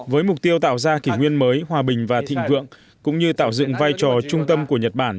học ra kỷ nguyên mới hòa bình và thịnh vượng cũng như tạo dựng vai trò trung tâm của nhật bản